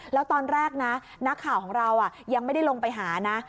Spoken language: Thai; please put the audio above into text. แล้วตอนแรกนะนักข่าวของเรายังไม่ได้ลงไปหานะ